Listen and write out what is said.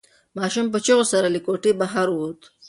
ماشوم په چیغو سره له کوټې بهر ووت.